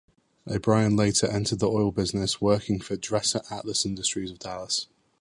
O'Brien later entered the oil business, working for Dresser Atlas Industries of Dallas.